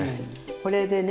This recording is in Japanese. これでね